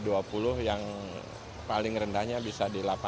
kalau yang paling rendahnya bisa di delapan belas tujuh belas